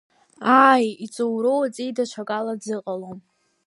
Ааи, иҵоуроу аҵеи даҽакала дзыҟалом.